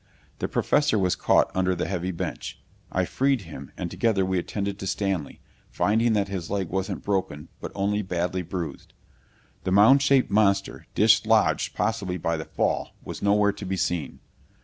The Professor was caught under the heavy bench. I freed him and together we attended to Stanley, finding that his leg wasn't broken but only badly bruised. The mound shaped monster, dislodged possibly by the fall, was nowhere to be seen.